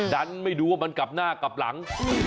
ดันไม่ดูว่ามันกลับหน้ากลับหลัง